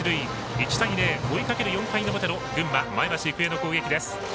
１対０、追いかける４回の表群馬、前橋育英の攻撃です。